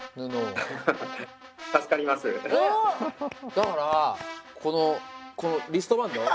だからこのリストバンド